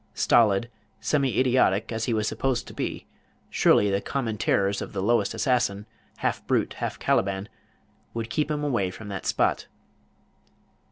Stolid, semi idiotic as he was supposed to be, surely the common terrors of the lowest assassin, half brute, half Caliban, would keep him away from that spot.